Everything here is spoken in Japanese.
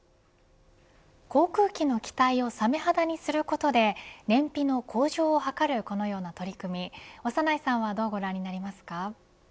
航空機の機体をサメ肌にすることで燃費の向上を図るこのような取り組み長内さんはどうご覧になりますか。